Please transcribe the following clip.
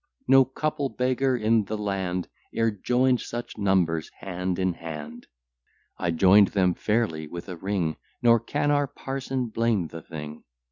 No couple beggar in the land E'er join'd such numbers hand in hand. I join'd them fairly with a ring; Nor can our parson blame the thing.